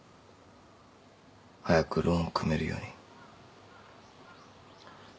早くローン組めるように。